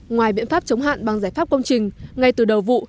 ngoài biện pháp chống hạn bằng giải pháp công trình ngay từ đầu vụ